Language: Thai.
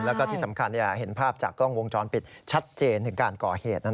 แล้วก็ที่สำคัญเห็นภาพจากกล้องวงจรปิดชัดเจนถึงการก่อเหตุ